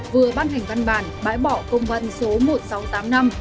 vừa bắt hành văn bản bãi bỏ công vận số một nghìn sáu trăm tám mươi năm